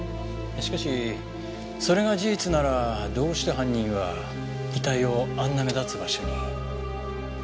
しかしそれが事実ならどうして犯人は遺体をあんな目立つ場所に。